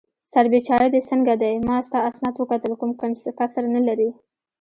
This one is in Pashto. سر بېچاره دې څنګه دی؟ ما ستا اسناد وکتل، کوم کسر نه لرې.